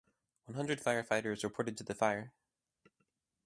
One-hundred firefighters reported to the fire.